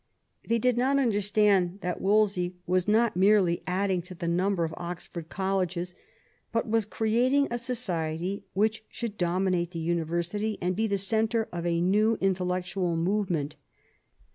They did not understand that Wolsey was not merely adding to the number of Oxford colleges, but was creating a society which should dominate the University, and be the centre of a new intellectual movement.